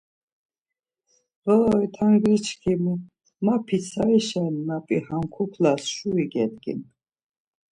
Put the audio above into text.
Voy tangrikimi, ma pitsarişen na p̌i ham kuklas şuri gedgin.